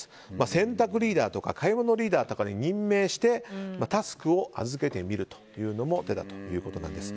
洗濯リーダーとか買い物リーダーとかに任命して、タスクを預けてみるというのも手だということなんです。